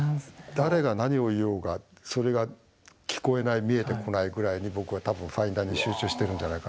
誰が何を言おうがそれが聞こえない見えてこないくらいに僕は多分ファインダーに集中してるんじゃないかなと思う。